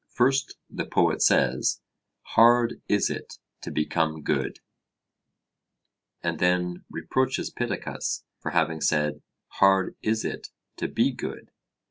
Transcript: First the poet says, 'Hard is it to become good,' and then reproaches Pittacus for having said, 'Hard is it to be good.'